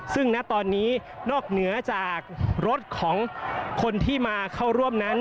ซึ่งณตอนนี้นอกเหนือจากรถของคนที่มาเข้าร่วมนั้น